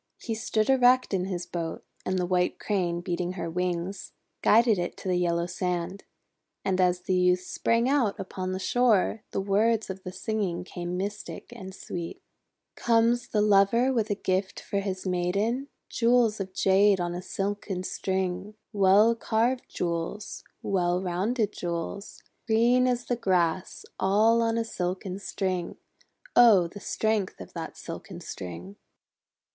He stood erect in his boat, and the White Crane, beating her wings, guided it to the yellow sand. And as the Youth sprang out upon the shore, the words of the singing came mystic and sweet: — 328 THE WONDER GARDEN "Comes the Lover with a gift for his Maiden? Jewels of Jad.e on a silken string ! Well carved jewels! Well rounded jewels! Green as the grass ! All on a silken string. Oh! the strength of that silken string!"